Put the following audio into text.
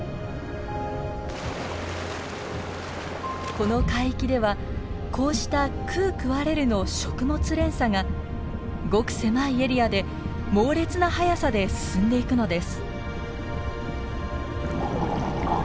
この海域ではこうした食う食われるの食物連鎖がごく狭いエリアで猛烈な速さで進んでいくのです。